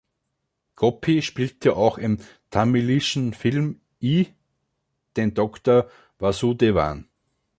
Gopi spielte auch im tamilischen Film „I“ den Dr. Vasudevan.